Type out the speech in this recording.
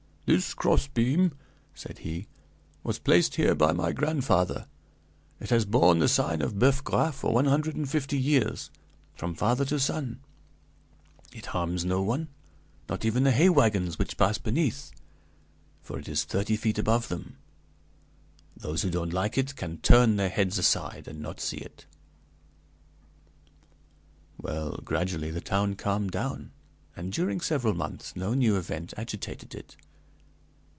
"'This crossbeam,' said he, 'was placed here by my grandfather; it has borne the sign of Boeuf Gras for one hundred and fifty years, from father to son; it harms no one, not even the hay wagons which pass beneath, for it is thirty feet above them. Those who don't like it can turn their heads aside, and not see it.' "Well, gradually the town calmed down, and, during several months, no new event agitated it.